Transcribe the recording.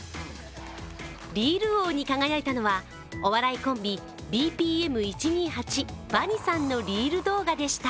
リール王に輝いたのはお笑いコンビＢＭＰ１２８、ヴァニさんのリール動画でした。